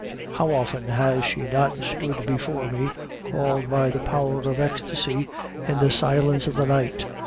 "How often has she not stood before me, called by the power of ecstasy, in the silence of the night!